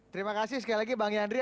terima kasih sekali lagi bang yandri